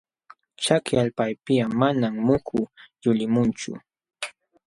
Chaki allpapiqa manam muhu yulimunchu.